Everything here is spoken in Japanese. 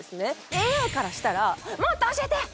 ＡＩからしたら「もっと教えて！